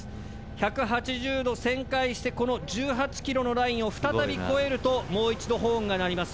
１８０度旋回してこの１８ｋｍのラインを再び越えるともう一度ホーンが鳴ります。